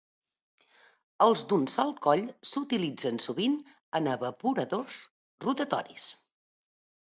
Els d'un sol coll s'utilitzen sovint en evaporadors rotatoris.